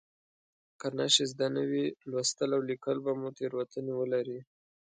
که نښې زده نه وي لوستل او لیکل به مو تېروتنې ولري.